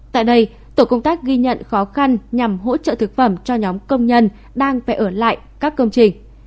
tại đây tổ công tác ghi nhận khó khăn nhằm hỗ trợ thực phẩm cho nhóm công nhân đang phải ở lại các công trình